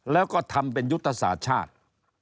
แล้วก็ทำเป็นยุทธศาสตร์ชาติ